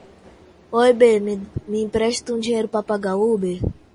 Oi bê, me empresta um dinheiro pra pagar o Uber?